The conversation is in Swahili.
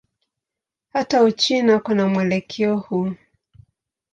Hata Uchina kuna mwelekeo huu.